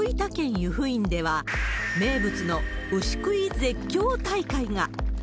由布院では、名物の牛喰い絶叫大会が。